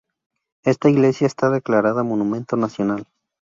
Esta iglesia está declarada Monumento Nacional.